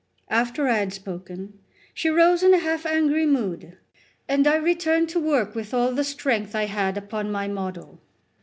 After I had spoken, she rose in a half angry mood, and I returned to work with all the strength I had upon my model.